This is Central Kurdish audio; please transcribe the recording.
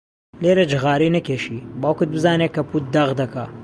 لێرە جغارەی نەکێشی، باوکت بزانێ کەپووت داغ دەکا.